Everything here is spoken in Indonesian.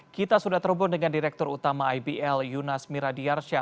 kita sudah terhubung dengan direktur utama ibl yunas miradiarsyah